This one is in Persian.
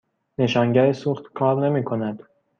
نشانگر سوخت کار نمی کند.